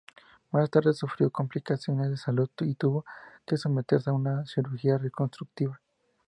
Más tarde sufrió complicaciones de salud y tuvo que someterse a una cirugía reconstructiva.